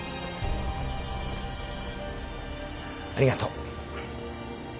ありがとう。